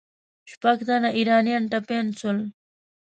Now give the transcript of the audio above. شپږ تنه ایرانیان ټپیان سول.